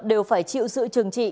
đều phải chịu sự trừng trị